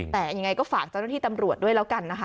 แต่ยังไงก็ฝากเจ้าหน้าที่ตำรวจด้วยแล้วกันนะคะ